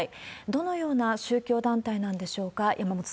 どのような宗教団体なんでしょうか。